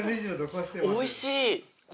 おいしい！